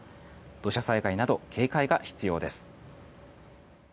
土砂災害など警戒が必要です。